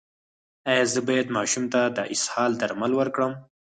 ایا زه باید ماشوم ته د اسهال درمل ورکړم؟